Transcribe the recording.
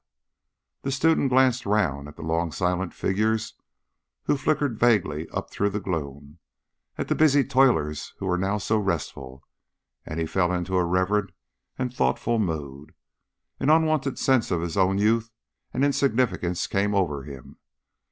The student glanced round at the long silent figures who flickered vaguely up through the gloom, at the busy toilers who were now so restful, and he fell into a reverent and thoughtful mood. An unwonted sense of his own youth and insignificance came over him.